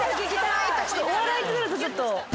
お笑いってなるとちょっと。